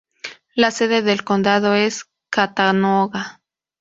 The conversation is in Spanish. La sede del condado es Chattanooga.